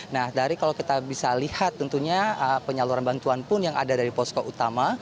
nah dari kalau kita bisa lihat tentunya penyaluran bantuan pun yang ada dari posko utama